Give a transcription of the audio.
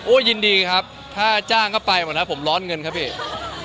โอ๊ยยินดีครับถ้าจ้างก็ไปว่ะนะครับผมร้อนเงินครับไอ้เหนะ